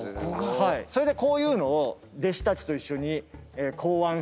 それでこういうのを弟子たちと一緒に考案して研究して。